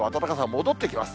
戻ってきます。